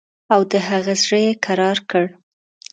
او د هغه زړه یې کرار کړ.